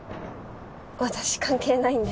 私関係ないんで。